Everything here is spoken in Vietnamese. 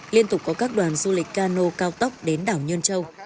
liên tục có các đoàn du lịch cano cao tốc đến đảo nhơn châu